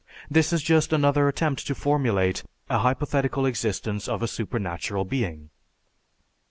This is just another attempt to formulate an hypothetical existence of a supernatural being."